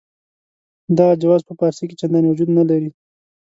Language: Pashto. دغه جواز په فارسي کې چنداني وجود نه لري.